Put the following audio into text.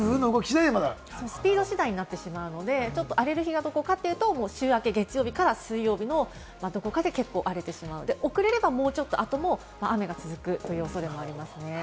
スピード次第になってしまうので、週明け、月曜日から水曜日のどこかで荒れてしまって、遅れればもうちょっとあとも雨が続くという予想になります。